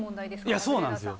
いやそうなんですよ。